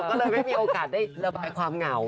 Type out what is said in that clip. ก็เลยไม่มีโอกาสได้ระบายความเหงา